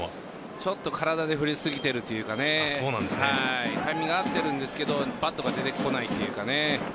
ちょっと体で振り過ぎているというかタイミングは合っているんですけどバットが出てこないというか。